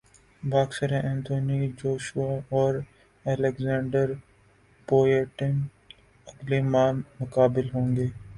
boxer Anthony Joshua اور Alexander Povetkin اگلے ماہ مقابل ہوں گے